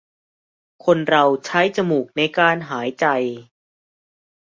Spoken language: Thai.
คนเราใช้จมูกในการหายใจ